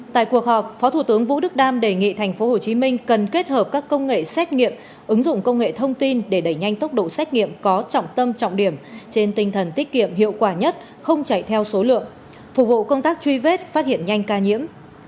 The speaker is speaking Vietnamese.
tại cuộc họp phó thủ tướng vũ đức đam đề nghị tp hcm cần kết hợp các công nghệ xét nghiệm ứng dụng công nghệ thông tin để đẩy nhanh tốc độ xét nghiệm có trọng tâm trọng điểm trên tinh thần tiết kiệm hiệu quả nhất không chạy theo số lượng phục vụ công tác truy vết phát hiện nhanh ca nhiễm